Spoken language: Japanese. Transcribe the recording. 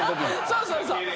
そうそうそう。